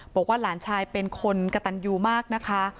บอกว่าหลานชายเป็นคนกระตันยูมากนะคะ